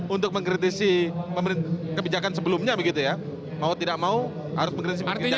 untuk mengkritisi kebijakan sebelumnya begitu ya mau tidak mau harus mengkritisi berpikir